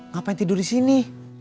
ngapain tidur di sini